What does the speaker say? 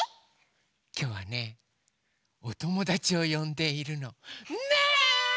きょうはねおともだちをよんでいるの。ねえ！